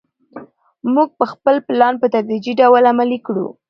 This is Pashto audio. موږ به خپل پلان په تدریجي ډول عملي کړو.